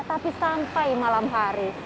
tapi sampai malam hari